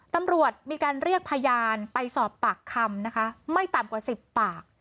ตำรวจมีการเรียกพยานไปสอบปากคำนะคะไม่ต่ำกว่า๑๐ปาก